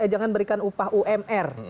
jangan berikan upah umr